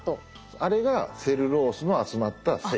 あれがセルロースの集まった繊維。